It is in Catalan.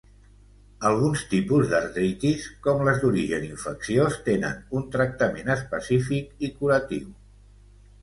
Alguns tipus d'artritis, com les d'origen infecciós, tenen un tractament específic i curatiu.